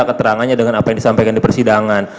keterangannya dengan apa yang disampaikan di persidangan